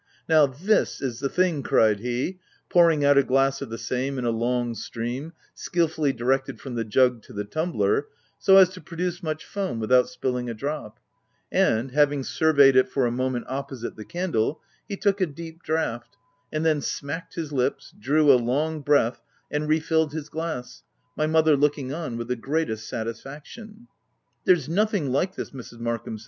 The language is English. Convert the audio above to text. " Now this is the thing !" cried he, pouring OF WILDFKLL HALL. 7^ out a glass of the same in a long stream, skil fully directed from the jug to the tumbler, so as to produce much foam without spilling a drop ; and, having surveyed it for a moment opposite the candle, he took a deep draught, and then smacked his lips, drew a long breath, and refilled his glass, my mother looking ou with the greatest satisfaction. "There's nothing like this Mrs. Markham